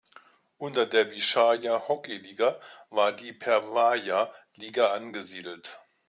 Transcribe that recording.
Unter der Wysschaja Hockey-Liga war die Perwaja Liga angesiedelt.